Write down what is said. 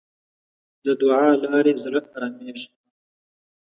د دعا له لارې زړه آرامېږي.